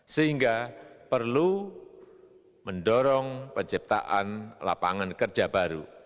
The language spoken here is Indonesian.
sehingga perlu mendorong penciptaan lapangan kerja baru